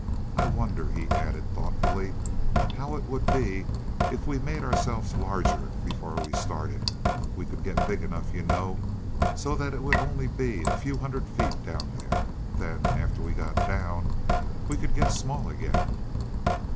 I wonder," he added thoughtfully, "how would it be if we made ourselves larger before we started. We could get big enough, you know, so that it would only be a few hundred feet down there. Then, after we got down, we could get small again."